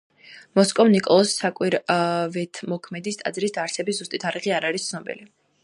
მოსკოვის ნიკოლოზ საკვირველთმოქმედის ტაძრის დაარსების ზუსტი თარიღი ცნობილი არ არის.